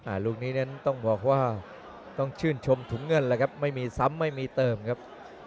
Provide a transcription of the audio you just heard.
ลูกนี้นั้นต้องบอกว่าต้องชื่นชมถุงเงินแล้วครับไม่มีซ้ำไม่มีเติมครับ